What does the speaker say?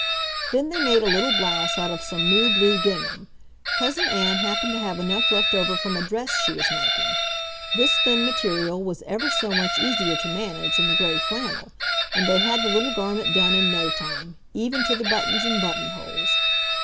Then they made a little blouse out of some new blue gingham. Cousin Ann happened to have enough left over from a dress she was making. This thin material was ever so much easier to manage than the gray flannel, and they had the little garment done in no time, even to the buttons and buttonholes.